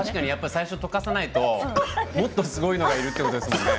最初に溶かさないともっとすごいということですよね。